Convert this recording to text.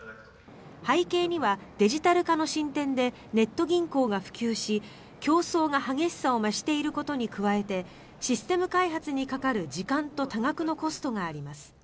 背景には、デジタル化の進展でネット銀行が普及し競争が激しさを増していることに加えてシステム開発にかかる時間と多額のコストがあります。